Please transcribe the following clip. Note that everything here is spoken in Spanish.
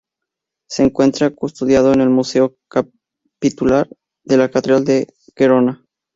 Se encuentra custodiado en el Museo Capitular de la catedral de Gerona.